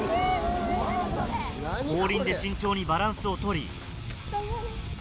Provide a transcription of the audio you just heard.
後輪で慎重にバランスを取り。